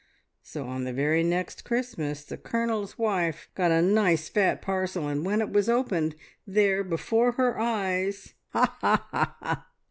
So on the very next Christmas the Colonel's wife got a nice fat parcel, and when it was opened, there, before her eyes " "Ha, ha ha!"